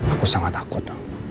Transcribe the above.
aku sangat takut